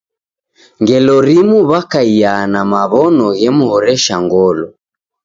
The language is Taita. Ngelo rimu wakaia na maw'ono ghemhoresha ngolo.